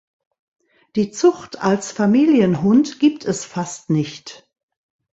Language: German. Die Zucht als Familienhund gibt es fast nicht.